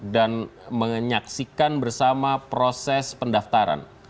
dan menyaksikan bersama proses pendaftaran